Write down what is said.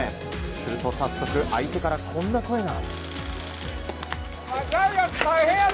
すると早速、相手からこんな声が。